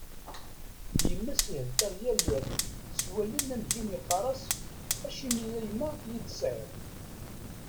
D yemma-s ihedder yal iḍ, s wallen amzun yeqqar-as: Acimi a yemma i iyi-d-tesɛiḍ?